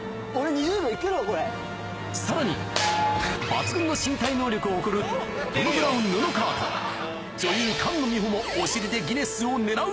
さらに抜群の身体能力を誇るトム・ブラウン、布川と女優・菅野美穂も、お尻でギネスを狙う。